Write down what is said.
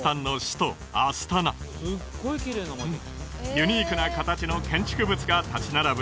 ユニークな形の建築物が立ち並ぶ